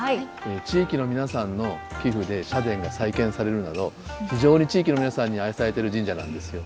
地域の皆さんの寄付で社殿が再建されるなど非常に地域の皆さんに愛されている神社なんですよ。